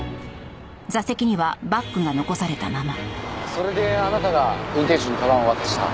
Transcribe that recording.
それであなたが運転手に鞄を渡した。